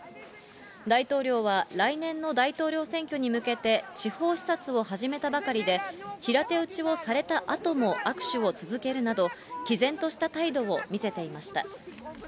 大統領は、来年の大統領選挙に向けて、地方視察を始めたばかりで、平手打ちをされたあとも、握手を続けるなど、きぜんとした態度を見せていました。